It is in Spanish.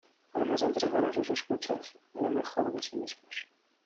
Además de entregar a sus escuchas lo mejor de sí mismos.